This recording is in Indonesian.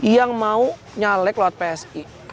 yang mau nyalek lewat psi